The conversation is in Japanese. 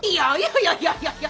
いやいやいやいや。